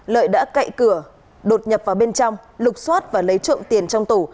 lợi đã cậy cửa đột nhập vào bên trong lục xoát và lấy trộm tiền trong tủ